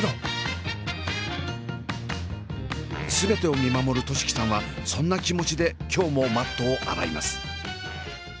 全てを見守る寿輝さんはそんな気持ちで今日もマットを洗います。